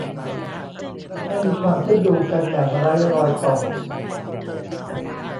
ให้มีความเชื่อมโยงกันอย่างไร้รอยต่อ